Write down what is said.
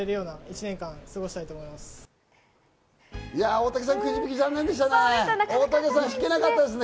大竹さん、くじ引き残念でしたね。